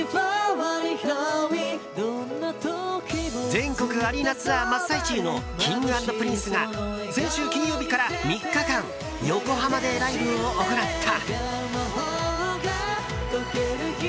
全国アリーナツアー真っ最中のＫｉｎｇ＆Ｐｒｉｎｃｅが先週金曜日から３日間横浜でライブを行った。